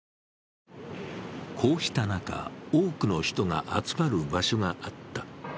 こうした中、多くの人が集まる場所があった。